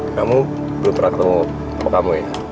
kamu belum pernah ketemu papa kamu ya